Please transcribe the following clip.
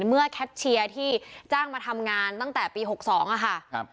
เมื่อแคทเชียร์ที่จ้างมาทำงานตั้งแต่ปี๖๒ค่ะ